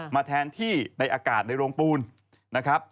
แทนที่ในอากาศในโรงปูนนะครับ